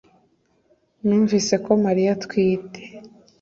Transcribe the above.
numvise ko mariya atwite